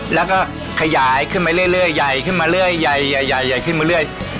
แล้วก็ขยายขึ้นมาเรื่อยใหญ่ขึ้นมาเรื่อยใหญ่ขึ้นมาเรื่อย